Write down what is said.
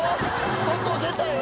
外出たよ。